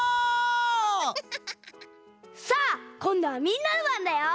さあこんどはみんなのばんだよ！